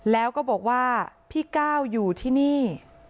แล้วก็บอกว่าพี่ก้าวอยู่ที่นี่